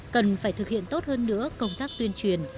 cần phải thực hiện tốt hơn nữa công tác tuyên truyền